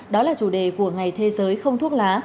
đó là chủ đề của ngày thế giới không thuốc lá